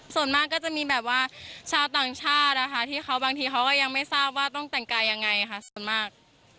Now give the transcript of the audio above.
ส่วนมากก็จะมีแบบว่าชาวต่างชาตินะคะที่เขาบางทีเขาก็ยังไม่ทราบว่าต้องแต่งกายยังไงค่ะส่วนมาก